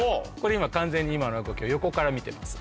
今完全に今の動きを横から見てます。